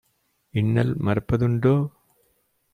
இன்னல் மறப்ப துண்டோ?"